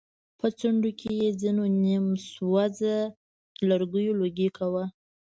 په څنډو کې يې ځېنو نيم سوزه لرګيو لوګی کوه.